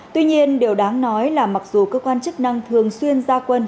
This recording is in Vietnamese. tuy nhiên điều đáng nói là mặc dù cơ quan chức năng thường xuyên ra quân